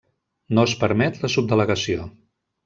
No es permet la subdelegació.